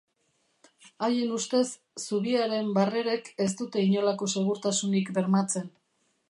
Haien ustez, zubiaren barrerek ez dute inolako segurtasunik bermatzen.